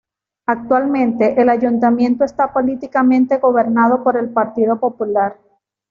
Actualmente, el ayuntamiento está políticamente gobernado por el Partido popular.